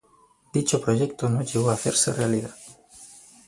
Dicho proyecto no llegó a hacerse realidad.